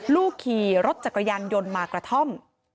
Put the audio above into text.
ลูกขี่รถจักรยานยนต์มากระท่อม